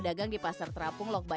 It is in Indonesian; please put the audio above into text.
masaknya di atas jukung satenya